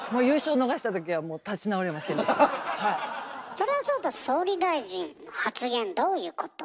それはそうと総理大臣の発言どういうこと？